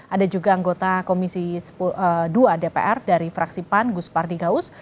ada juga anggota komisi dua dpr dari fraksi pan gus pardi gaus